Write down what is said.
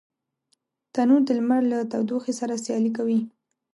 تنور د لمر له تودوخي سره سیالي کوي